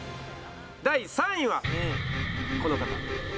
第３位はこの方。